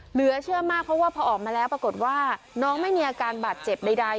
เหลือเชื่อมากเพราะว่าพอออกมาแล้วปรากฏว่าน้องไม่มีอาการบาดเจ็บใด